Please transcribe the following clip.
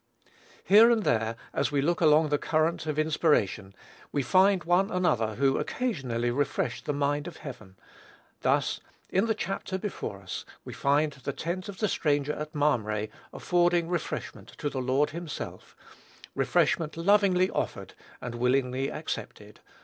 Here and there, as we look along the current of inspiration, we find one and another who occasionally refreshed the mind of heaven. Thus, in the chapter before us, we find the tent of the stranger at Mamre affording refreshment to the Lord himself, refreshment lovingly offered and willingly accepted.